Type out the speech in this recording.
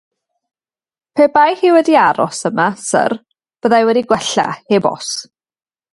Pe bai hi wedi aros yma, syr, byddai wedi gwella, heb os.